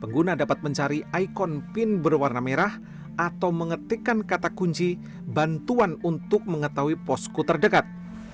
pengguna dapat mencari ikon pin berwarna merah atau mengetikkan kata kunci bantuan untuk mengetahui posko terdekat